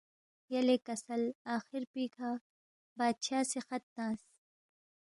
یلے کسل آخر پیکھہ بادشاہ سی خط تنگس